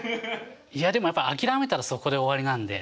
いやでもやっぱ諦めたらそこで終わりなんで。